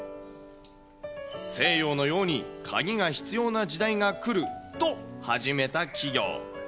西洋のように鍵が必要な時代が来ると始めた企業。